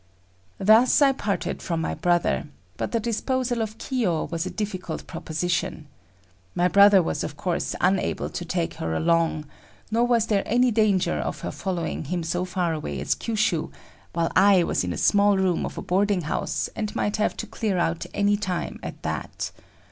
Thus I parted from my brother, but the disposal of Kiyo was a difficult proposition. My brother was, of course, unable to take her along, nor was there any danger of her following him so far away as Kyushu, while I was in a small room of a boarding house, and might have to clear out anytime at that.